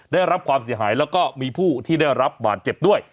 ได้รับความเสียหายแล้วก็มีผู้ที่ได้รับบาดเจ็บด้วย